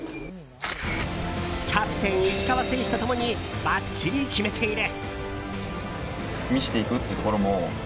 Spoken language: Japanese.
キャプテン、石川選手と共にばっちり決めている！